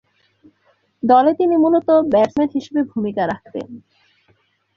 দলে তিনি মূলতঃ ব্যাটসম্যান হিসেবে ভূমিকা রাখতেন।